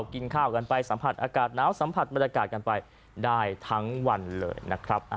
กินข้าวกันไปสัมผัสอากาศหนาวสัมผัสบรรยากาศกันไปได้ทั้งวันเลยนะครับ